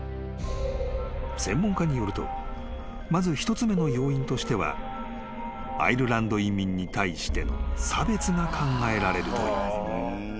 ［専門家によるとまず１つ目の要因としてはアイルランド移民に対しての差別が考えられるという］